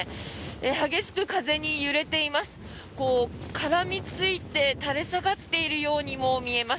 激しく風に揺れています。